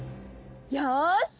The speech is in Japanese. よし！